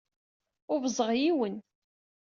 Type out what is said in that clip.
Ubẓeɣ yiwen.